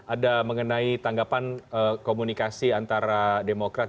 ada mengenai tanggapan komunikasi antara demokrat